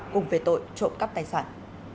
cùng về tội trộm cắp tài sản